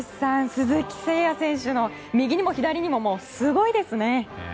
鈴木誠也選手の右にも左にもすごいですね。